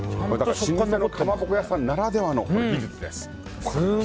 老舗のかまぼこ屋さんならではの技術です。